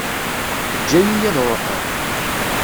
Teǧǧa-iyi ad ṛuḥeɣ.